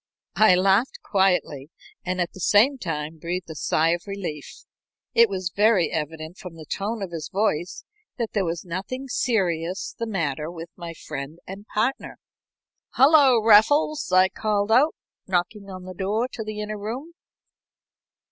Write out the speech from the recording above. I laughed quietly and at the same time breathed a sigh of relief. It was very evident from the tone of his voice that there was nothing serious the matter with my friend and partner. "Hullo, Raffles!" I called out, knocking on the door to the inner room.